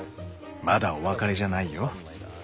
まだお別れじゃないよ。